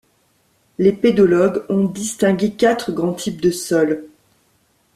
Les pédologues ont distingué quatre grands types de sols.